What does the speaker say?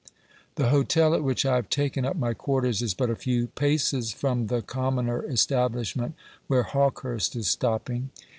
The hotel at which I have taken up my quarters is but a few paces from the commoner establishment where Hawkehurst is stopping.